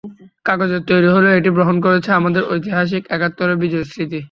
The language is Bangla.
কাগজের তৈরি হলেও এটি বহন করছে আমাদের ঐতিহাসিক একাত্তরের বিজয়ের স্মৃতি।